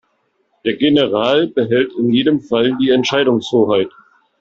Der General behält in jedem Fall die Entscheidungshoheit.